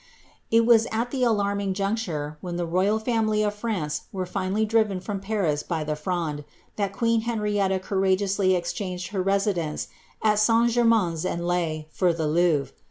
It was at the alarming juncture, when the royal family of France weie finally driven from Paris by the Fronde, that queen Henrietta couiageouriy exchanged her residence at St. Gemiains en Laye, for the Louvre.